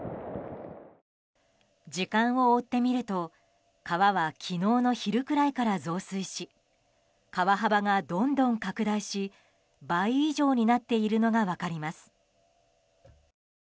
時間を追ってみると川は昨日の昼くらいから増水し川幅がどんどん拡大し倍以上になっているのが分かります。